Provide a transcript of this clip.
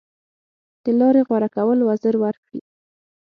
دې لارې غوره کول وزر ورکړي